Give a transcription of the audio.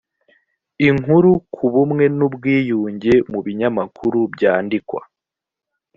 inkuru ku bumwe n ubwiyunge mu binyamakuru byandikwa